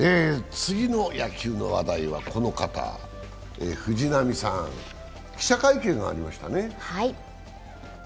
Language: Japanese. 次の野球の話題はこの方、藤浪さん、記者会見がありましたね